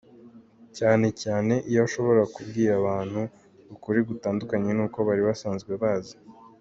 Cyane cyane iyo ashobora kubwira abantu ukuri gutandukanye n’uko bari basanzwe bazi.